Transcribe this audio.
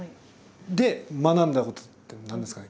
で学んだことって何ですかね？